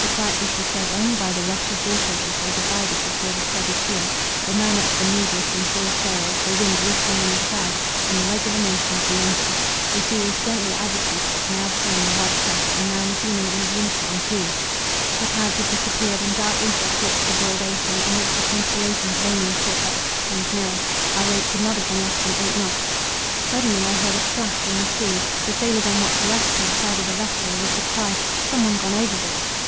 The quiet was disturbed only by the rush of waters as they divided before the steady keel, the murmur of the moveless and full sails, the wind whistling in the shrouds, and the regular motion of the engine. The sea was gently agitated, now shewing a white crest, and now resuming an uniform hue; the clouds had disappeared; and dark ether clipt the broad ocean, in which the constellations vainly sought their accustomed mirror. Our rate could not have been less than eight knots. Suddenly I heard a splash in the sea. The sailors on watch rushed to the side of the vessel, with the cry—some one gone overboard.